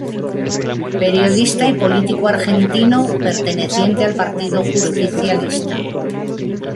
Periodista y político argentino, perteneciente al Partido Justicialista.